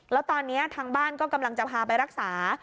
แล้วตอนนี้ทางบ้านก็กำลังจะพาไปรักษา